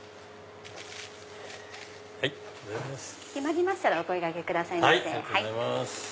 決まりましたらお声掛けくださいませ。